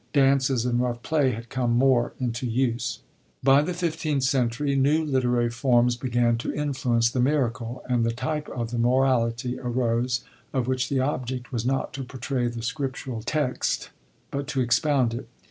Dances and rough play had come more into use.^ By the fifteenth century new literary forms began to influence the Miracle, and the type of the Morality arose, of which the object was not to portray the scriptural text but to expound it.